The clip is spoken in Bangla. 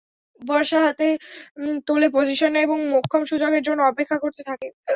বর্শা হাতে তোলে পজিশন নেয় এবং মোক্ষম সুযোগের জন্য অপেক্ষা করতে থাকে।